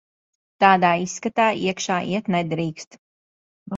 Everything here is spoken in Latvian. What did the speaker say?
Tādā izskatā iekšā iet nedrīkst.